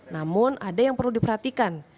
namun ada yang perlu diperhatikan